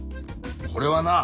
これはな